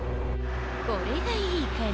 これがいいかな？